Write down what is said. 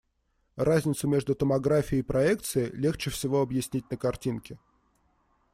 Разницу между томографией и проекцией легче всего объяснить на картинке.